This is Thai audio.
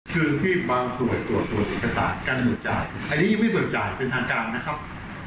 คือที่บางตรวจตรวจตรวจเอกสารการโดดจ่ายอันนี้ไม่โดดจ่ายเป็นทางการนะครับ